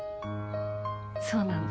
そうなんだ。